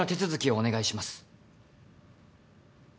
お願いします！